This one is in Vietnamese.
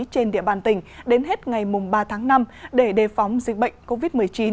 trên địa bàn tỉnh đến hết ngày ba tháng năm để đề phóng dịch bệnh covid một mươi chín